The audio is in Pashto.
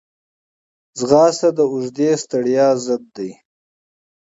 ځغاسته د اوږدې ستړیا ضد ده